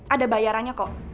ada bayarannya kok